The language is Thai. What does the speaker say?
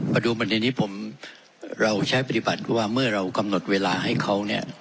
มาดูประเด็นนี้ผมเราใช้ปฏิบัติว่าเมื่อเรากำหนดเวลาให้เขาเนี่ย